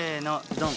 ドン。